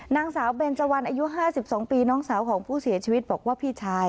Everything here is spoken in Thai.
นางสาวเบนเจวันอายุ๕๒ปีน้องสาวของผู้เสียชีวิตบอกว่าพี่ชาย